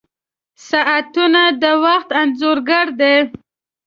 • ساعتونه د وخت انځور ګر دي.